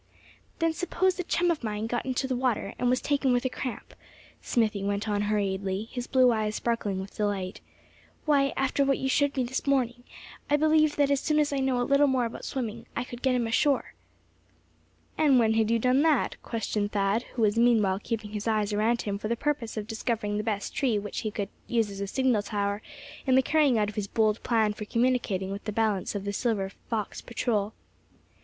"Then suppose a chum of mine got in the water, and was taken with a cramp," Smithy went on hurriedly, his blue eyes sparking with delight; "why, after what you showed me this morning, I believe that as soon as I know a little more about swimming, I could get him ashore." "And when you had done that?" questioned Thad, who was meanwhile keeping his eyes around him for the purpose of discovering the best tree which he could use as a signal tower, in the carrying out of his bold plan for communicating with the balance of the Silver Fox Patrol.